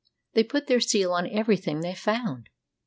They put their seal on every thing they found.